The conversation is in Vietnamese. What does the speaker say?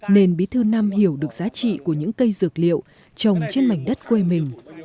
nên bí thư nam hiểu được giá trị của những cây dược liệu trồng trên mảnh đất quê mình